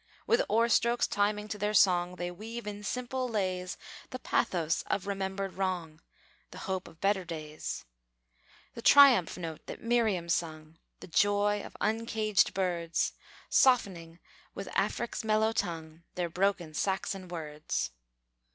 With oar strokes timing to their song, They weave in simple lays The pathos of remembered wrong, The hope of better days, The triumph note that Miriam sung, The joy of uncaged birds: Softening with Afric's mellow tongue Their broken Saxon words.